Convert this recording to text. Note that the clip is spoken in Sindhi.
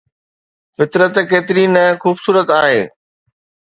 فطرت ڪيتري نه خوبصورت آهي